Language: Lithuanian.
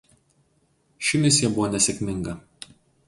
Ši misija buvo nesėkminga.